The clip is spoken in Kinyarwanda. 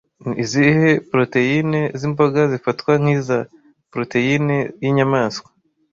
Ni izihe poroteyine z'imboga zifatwa nk'iza poroteyine y'inyamaswa